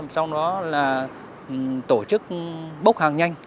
sau đó là tổ chức bốc hàng nhanh